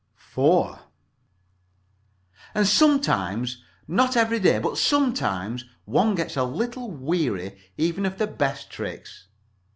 IV And sometimes, not every day but sometimes, one gets a little weary even of the best tricks.